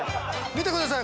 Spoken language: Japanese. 見てください！